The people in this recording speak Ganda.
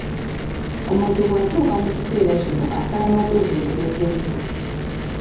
Omuntu bw'atuuka mu kiseera kino asaana okwegendereza ennyo.